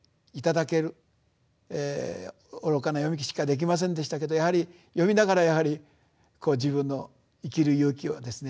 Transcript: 愚かな読みしかできませんでしたけど読みながらやはり自分の生きる勇気をですね